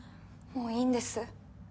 もういいんです。